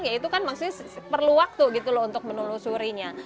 ya itu kan maksudnya perlu waktu gitu loh untuk menelusurinya